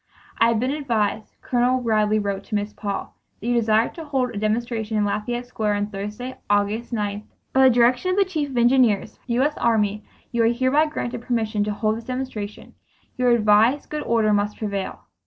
"I have been advised [Col. Ridley wrote to Miss Paul that you desire to hold a demonstration in Lafayette Square on Thursday, August 9.2d. By direction of the chief of engineers, U. S. Army, you are hereby granted permission to hold this demonstration. You are advised good order must prevail."